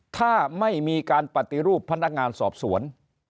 ถ้าไม่มีการปฏิรูปพนักงานสอบสวน